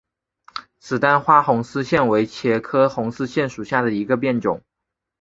紫单花红丝线为茄科红丝线属下的一个变种。